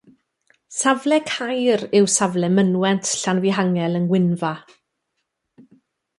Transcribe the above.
Safle caer yw safle mynwent Llanfihangel yng Ngwynfa.